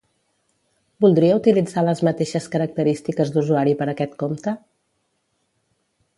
Voldria utilitzar les mateixes característiques d'usuari per aquest compte?